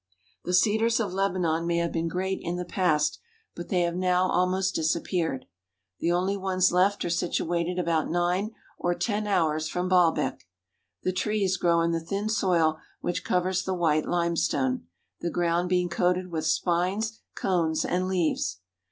The cedars of Lebanon may have been great in the past, but they have now almost disappeared. The only ones left are situated about nine or ten hours from Baalbek. The trees grow in the thin soil, which covers the white limestone, the ground being coated with spines, cones, and leaves.